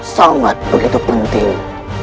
sangat begitu penting